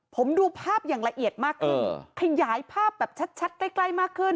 ผมดูภาพอย่างละเอียดมากขึ้นขยายภาพแบบชัดใกล้มากขึ้น